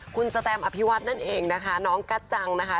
คุณสแตมอภิวัตนั่นเองนะคะน้องกัจจังนะคะ